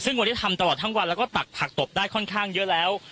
ซึ่งวันนี้ทำตลอดทั้งวันแล้วก็ตักผักตบได้ค่อนข้างเยอะแล้ว